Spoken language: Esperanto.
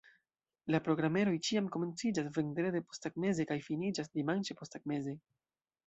La programeroj ĉiam komenciĝas vendrede posttagmeze kaj finiĝas dimanĉe posttagmeze.